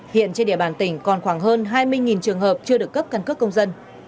hiện trên địa bàn tỉnh còn khoảng hơn hai mươi trường hợp chưa được cấp căn cước công dân